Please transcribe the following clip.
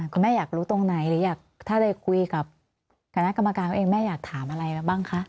คุณแม่อยากรู้ตรงไหนหรืออยากถ้าได้คุยกับคณะกรรมการเขาเองแม่อยากถามอะไรมาบ้างคะ